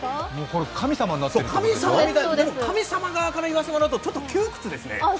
神様側から言わせてもらうとちょっと窮屈ですね。